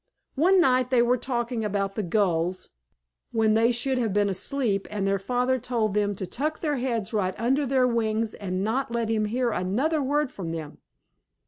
One night they were talking about the Gulls, when they should have been asleep, and their father told them to tuck their heads right under their wings and not let him hear another word from them.